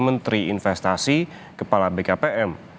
menurutnya hal tersebut bukan untuk membuatnya terlalu berat